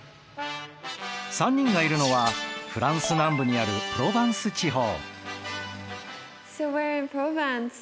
３人がいるのはフランス南部にあるプロヴァンス地方。